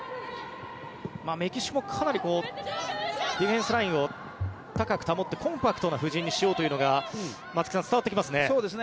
メキシコはかなりディフェンスラインを高く保ってコンパクトな布陣にしようというのが松木さん、伝わってきますね。